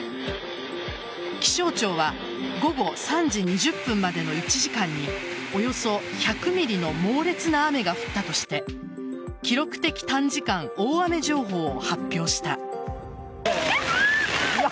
気象庁は午後３時２０分までの１時間におよそ１００ｍｍの猛烈な雨が降ったとして記録的短時間大雨情報を発表した。